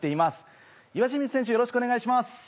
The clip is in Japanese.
よろしくお願いします。